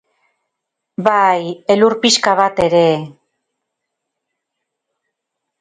Bai... Elur pixka bat ere...